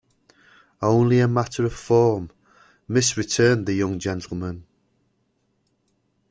"Only a matter of form, miss," returned the young gentleman.